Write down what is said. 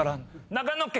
長野県！